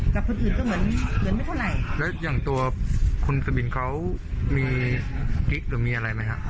กับคนอื่นก็เหมือนเหมือนไม่เท่าไหร่แล้วอย่างตัวคุณกะบินเขามีกิ๊กหรือมีอะไรไหมฮะ